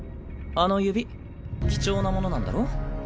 あの指貴重なものなんだろ？